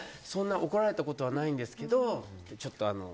怒られたことはないんですけどと。